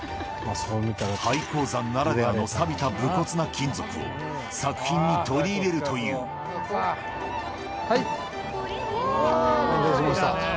廃鉱山ならではのさびた無骨な金属を、作品に取り入れるといはいっ、完成しました。